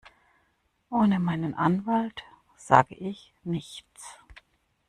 Ohne meinen Anwalt sage ich nichts.